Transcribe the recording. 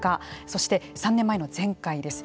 そして３年前の前回です。